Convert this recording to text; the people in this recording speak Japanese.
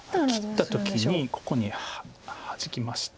切った時にここにハジきまして。